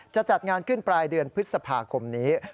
จัดงานขึ้นปลายเดือนพฤษภาคมนี้